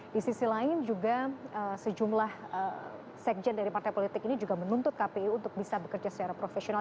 di sisi lain juga sejumlah sekjen dari partai politik ini juga menuntut kpu untuk bisa bekerja secara profesional